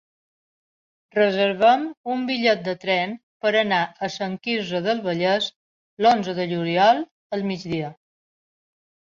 Reserva'm un bitllet de tren per anar a Sant Quirze del Vallès l'onze de juliol al migdia.